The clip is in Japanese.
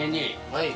はい。